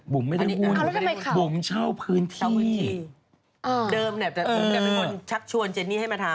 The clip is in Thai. ไม่ได้หุ้นบุ๋มเช่าพื้นที่เดิมเนี่ยแต่ผมจะเป็นคนชักชวนเจนนี่ให้มาทำ